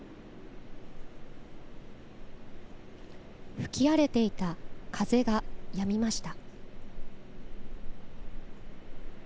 吹き荒れていた風が、やみました。